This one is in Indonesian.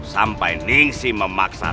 sampai ningsi memaksa